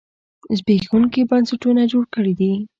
زبېښونکي بنسټونه جوړ کړي دي.